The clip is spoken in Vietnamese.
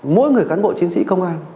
mỗi người cán bộ chiến sĩ công an